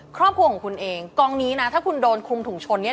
ครอบครัวของคุณเองกองนี้นะถ้าคุณโดนคุมถุงชนเนี่ย